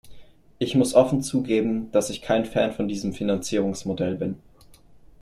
Ich muss offen zugeben, dass ich kein Fan von diesem Finanzierungsmodell bin.